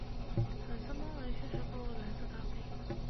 粉色猫雷确实不如蓝色塔菲